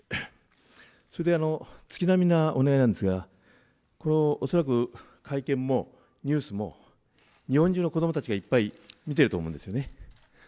それで月並みなお願いなんですが恐らく、会見もニュースも、日本中の子どもたちがいっぱい見ていると思うんですよね。